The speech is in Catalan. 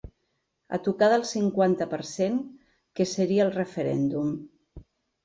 A tocar del cinquanta per cent que seria el referèndum.